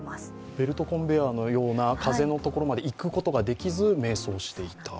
ベルトコンベアーのような風のところまで行けず迷走していると。